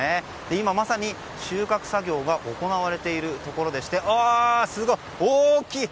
今まさに収穫作業が行われているところでしてすごい、大きい！